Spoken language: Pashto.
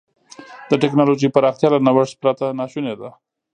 د ټکنالوجۍ پراختیا له نوښت پرته ناشونې ده.